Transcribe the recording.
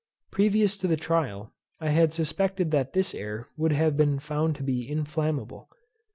Previous to the trial, I had suspected that this air would have been found to be inflammable.